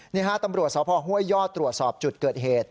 นี่ฮะตำรวจสพห้วยยอดตรวจสอบจุดเกิดเหตุ